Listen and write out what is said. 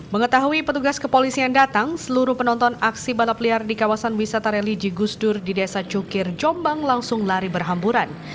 mengetahui petugas kepolisian datang seluruh penonton aksi balap liar di kawasan wisata religi gusdur di desa cukir jombang langsung lari berhamburan